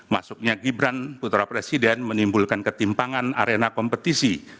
masuknya gibran putra presiden menimbulkan ketimpangan arena kompetisi